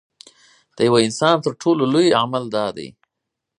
د یوه انسان تر ټولو لوی عمل دا دی.